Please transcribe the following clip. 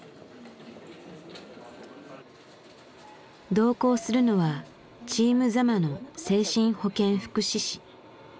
同行するのはチーム座間の精神保健福祉士。